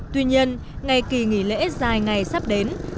tuy nhiên ngày kỳ nghỉ lễ dài ngày sắp đến